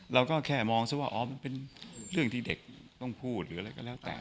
เราก็แค่มองซะว่าอ๋อมันเป็นเรื่องที่เด็กต้องพูดหรืออะไรก็แล้วแต่